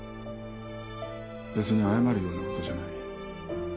別に謝るような事じゃない。